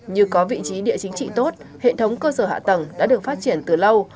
như có vị trí địa chính trị tốt hệ thống cơ sở hạ tầng đã được phát triển từ lâu